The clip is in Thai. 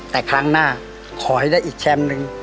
แต่ครั้งหน้าขอให้ได้อีกแชมป์หนึ่ง